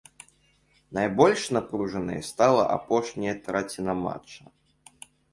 Найбольш напружанай стала апошняя траціна матча.